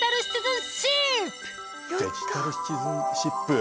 デジタルシチズンシップ？